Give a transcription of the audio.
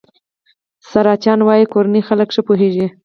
سرچران وايي کورني خلک ښه پوهېږي.